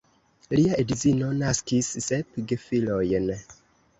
Lia edzino naskis sep gefilojn.